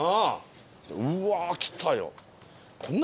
うわ来たよ。